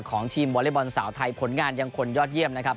ของทีมวอเล็กบอลสาวไทยผลงานยังคนยอดเยี่ยมนะครับ